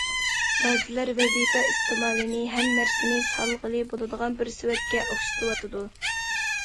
بەزىلەر ۋەزىپە ئىستېمالىنى ھەممە نەرسىنى سالغىلى بولىدىغان بىر سېۋەتكە ئوخشىتىۋاتىدۇ.